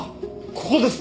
ここです！